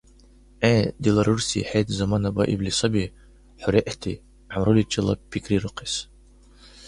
ГӀе, дила рурси, хӀед замана баили саби хӀу-регӀти гӀямруличила пикрирухъес.